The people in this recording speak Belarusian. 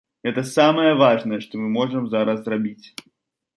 Гэта самае важнае, што мы можам зараз зрабіць.